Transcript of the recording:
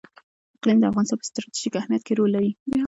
اقلیم د افغانستان په ستراتیژیک اهمیت کې رول لري.